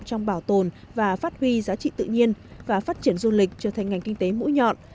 trong bảo tồn và phát huy giá trị tự nhiên và phát triển du lịch trở thành ngành kinh tế mũi nhọn